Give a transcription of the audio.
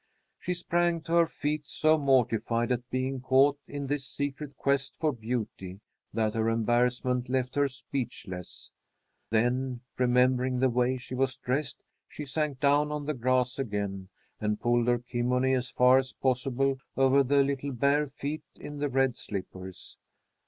She sprang to her feet, so mortified at being caught in this secret quest for beauty that her embarrassment left her speechless. Then, remembering the way she was dressed, she sank down on the grass again, and pulled her kimono as far as possible over the little bare feet in the red slippers.